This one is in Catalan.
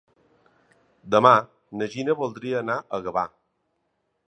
Demà na Gina voldria anar a Gavà.